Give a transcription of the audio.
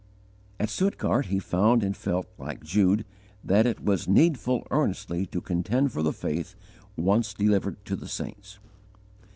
At Stuttgart he found and felt, like Jude, that it was "needful earnestly to contend for the faith once delivered to the saints."